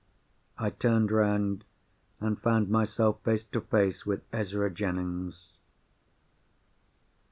I turned round, and found myself face to face with Ezra Jennings.